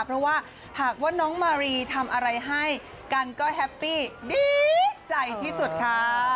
เพราะว่าหากว่าน้องมารีทำอะไรให้กันก็แฮปปี้ดีใจที่สุดค่ะ